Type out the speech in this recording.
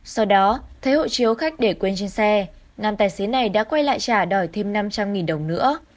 sau đó thấy hộ chiếu khách để quên trên xe nam tài xế này đã quay lại trả đòi thêm năm trăm linh đồng nữa